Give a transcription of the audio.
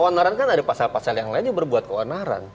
keonaran kan ada pasal pasal yang lain juga berbuat keonaran